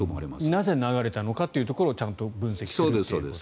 なぜ流れたのかというところをちゃんと分析すると。